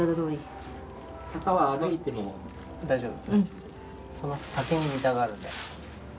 坂は歩いても大丈夫。